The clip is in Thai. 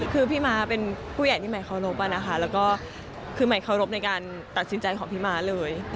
คือพี่ม้าเป็นผู้ใหญ่ที่ใหม่เคารพนะคะแล้วก็คือหมายเคารพในการตัดสินใจของพี่ม้าเลย